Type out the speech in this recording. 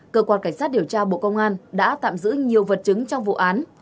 cơ quan cảnh sát điều tra bộ công an đã tạm giữ nhiều vật chứng trong vụ án